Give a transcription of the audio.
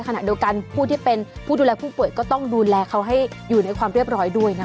ขณะเดียวกันผู้ที่เป็นผู้ดูแลผู้ป่วยก็ต้องดูแลเขาให้อยู่ในความเรียบร้อยด้วยนะคะ